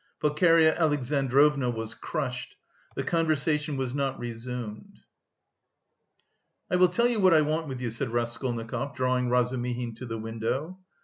Pulcheria Alexandrovna was crushed; the conversation was not resumed. "I will tell you what I want with you," said Raskolnikov, drawing Razumihin to the window.